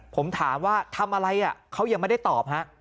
ผมถามว่าทำอะไรเขายังไม่ได้ตอบฮะ